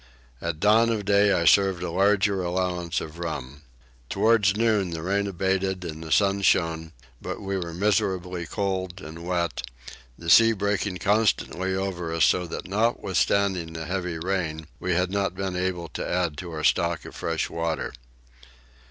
At dawn of day I served a larger allowance of rum. Towards noon the rain abated and the sun shone, but we were miserably cold and wet, the sea breaking constantly over us so that, notwithstanding the heavy rain, we had not been able to add to our stock of fresh water.